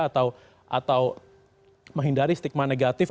atau menghindari stigma negatif